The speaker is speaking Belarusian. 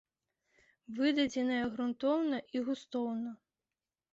Выдадзеная грунтоўна і густоўна.